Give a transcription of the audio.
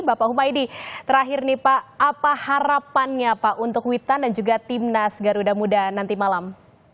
bapak humaydi terakhir nih pak apa harapannya pak untuk witan dan juga timnas garuda muda nanti malam